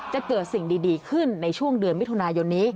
จะเกิดสิ่งดีขึ้นในช่วงเดือนมิถุนายนนี้